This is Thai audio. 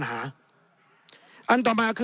ในทางปฏิบัติมันไม่ได้